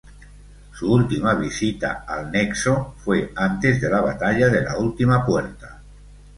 Su última visita al "Nexo" fue antes de la "Batalla de la Última Puerta".